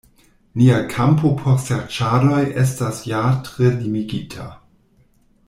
Nia kampo por serĉadoj estas ja tre limigita.